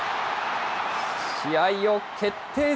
試合を決定